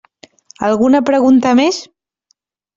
Alguna pregunta més?